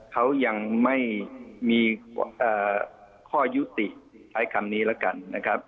เขายังไม่มีข้อยุติใช้คำนี้แล้วกันนะครับ